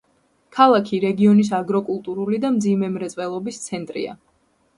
ქალაქი რეგიონის აგროკულტურული და მძიმე მრეწველობის ცენტრია.